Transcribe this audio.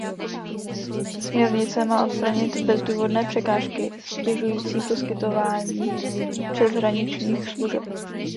Směrnice má odstranit bezdůvodné překážky ztěžující poskytování přeshraničních služeb.